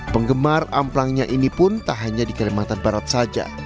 penggemar amplangnya ini pun tak hanya di kalimantan barat saja